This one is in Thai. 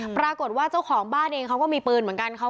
ปรากฏว่าเจ้าของบ้านเองเขาก็มีปืนเหมือนกัน